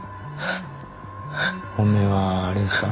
本命はあれですか？